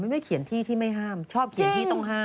ไม่เขียนที่ที่ไม่ห้ามชอบเขียนที่ต้องห้าม